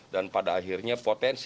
dan pada akhirnya potensi